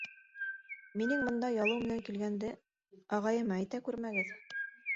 Минең бында ялыу менән килгәнде... ағайыма әйтә күрмәгеҙ!